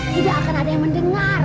tidak akan ada yang mendengar